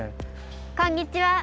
こんにちは！